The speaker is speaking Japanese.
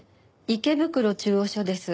池袋中央署です。